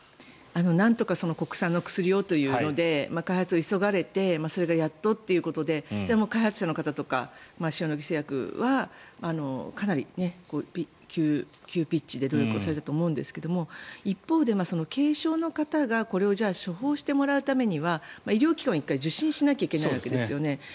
なんとか国産の薬をということで開発を急がれてそれがやっとということでそれも開発者の方とか塩野義製薬はかなり急ピッチで努力をされたと思うんですが一方で、軽症の方がこれを処方してもらうためには医療機関を１回受診しないといけないわけですよね。